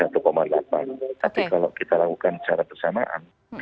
tapi kalau kita lakukan secara bersamaan